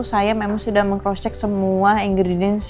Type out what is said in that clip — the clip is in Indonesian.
saya memang sudah meng cross check semua ingredience